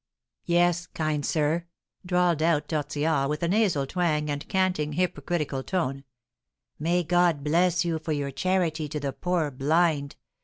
"Yes, kind sir," drawled out Tortillard, with a nasal twang and canting, hypocritical tone; "may God bless you for your charity to the poor blind!